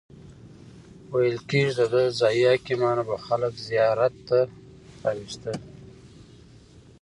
ویل کیږي دده ځایي حاکمانو به خلک زیارت ته راوستل.